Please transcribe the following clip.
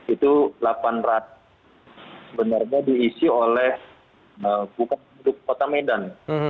itu delapan ratus sebenarnya diisi oleh bukan untuk kota medan